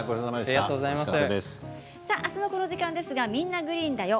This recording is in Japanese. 明日のこの時間は「みんな！グリーンだよ」